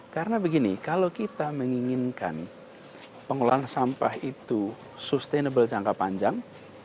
karena begini kalau kita menginginkan pengelolaan sampah itu sustainable jangka panjang